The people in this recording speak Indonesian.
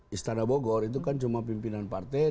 di sana bogor itu kan cuma pimpinan partai